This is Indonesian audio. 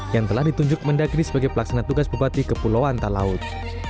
yang telah ditunjuk mendagri sebagai pelaksana tugas bupati kepulauan talaut